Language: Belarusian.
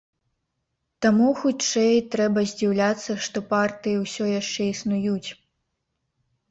Таму, хутчэй, трэба здзіўляцца, што партыі ўсё яшчэ існуюць.